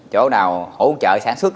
chỗ nào hỗ trợ sản xuất